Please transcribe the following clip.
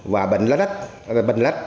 và bình lã lách